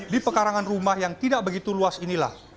di pekarangan rumah yang tidak begitu luas inilah